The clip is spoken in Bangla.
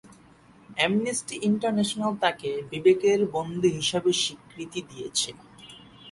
অ্যামনেস্টি ইন্টারন্যাশনাল তাকে বিবেকের বন্দী হিসেবে স্বীকৃতি দিয়েছে।